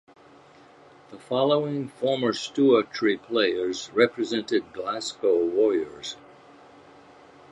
The following former Stewartry players represented Glasgow Warriors.